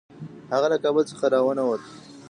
هغه له کابل څخه را ونه ووت.